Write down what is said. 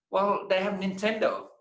mereka punya nintendo